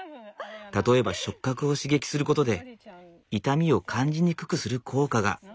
例えば触覚を刺激することで痛みを感じにくくする効果があるのだそう。